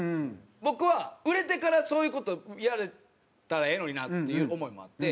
僕は売れてからそういう事をやれたらええのになっていう思いもあって。